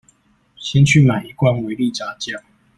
先去買一罐維力炸醬